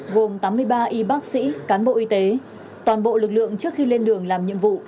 gồm tám mươi ba y bác sĩ cán bộ y tế toàn bộ lực lượng trước khi lên đường làm nhiệm vụ